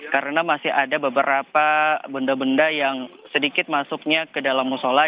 karena masih ada beberapa benda benda yang sedikit masuknya ke dalam musola